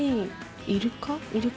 イルカ？